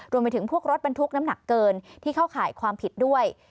รวมไปถึงพวกรถบรรทุกน้ำหนักเกินที่เข้าข่ายความผิดด้วย